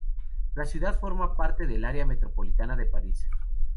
La ciudad forma parte del área metropolitana de París.